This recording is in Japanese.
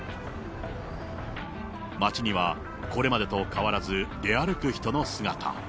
街にはこれまでと変わらず、出歩く人の姿。